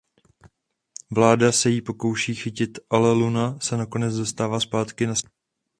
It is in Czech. Vláda se jí pokouší chytit ale Luna se nakonec dostává zpátky na svobodu.